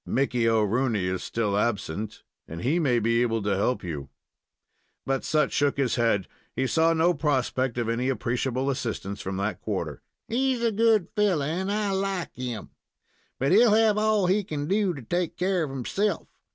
"Mickey O'Rooney is still absent, and he may be able to help you." But Sut shook his head. He saw no prospect of any appreciable assistance from that quarter. "He's a good fellow, and I like him; but he'll have all he can do to take care of himself.